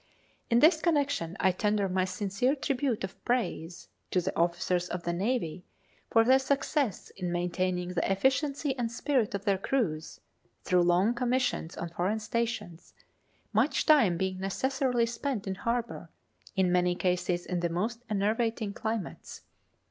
In this connection I tender my sincere tribute of praise to the officers of the Navy for their success in maintaining the efficiency and spirit of their crews through long commissions on foreign stations, much time being necessarily spent in harbour, in many cases in the most enervating climates.